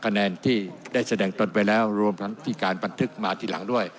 คะแนนที่ได้แสดงตนไปแล้วรวมทั้งที่การบันทึกมาทีหลังด้วย